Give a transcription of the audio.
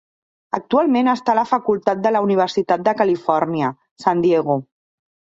Actualment està a la facultat de la Universitat de Califòrnia, San Diego.